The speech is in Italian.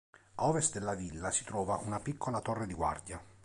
A ovest della villa si trova una piccola torre di guardia.